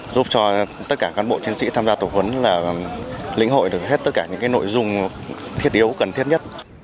giúp cho tất cả cán bộ chiến sĩ tham gia tổ huấn là lĩnh hội được hết tất cả những nội dung thiết yếu cần thiết nhất